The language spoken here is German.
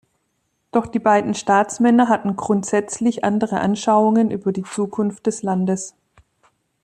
Doch die beiden Staatsmänner hatten grundsätzlich andere Anschauungen über die Zukunft des Landes.